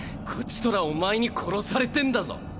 こちとらお前に殺されてんだぞ。